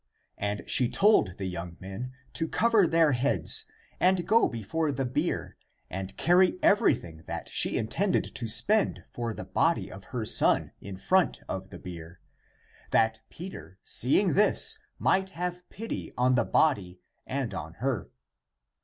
And she told the young men to cover their heads and go before the bier and carry everything that she intended to spend for the body of her son in front of the bier, that Peter, seeing this, might have pity on the body and on her.